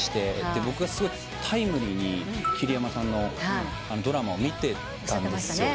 僕はすごくタイムリーに桐山さんのドラマを見てたんです。